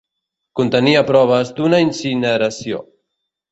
Contenia proves d'una incineració.